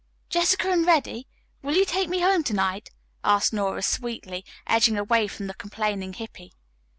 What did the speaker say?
"Jessica and Reddy, will you take me home to night?" asked Nora sweetly, edging away from the complaining Hippy.